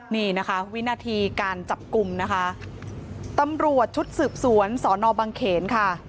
นี่นะคะวินาทีการจับกลุ่มนะคะตำรวจชุดสืบสวนสอนอบังเขนค่ะ